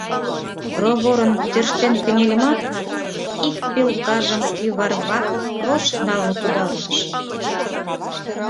Проворын тӧрштен кынельымат, ик пӧлкажым кӱварвак рошт налын кудалтышым.